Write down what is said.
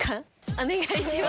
お願いします。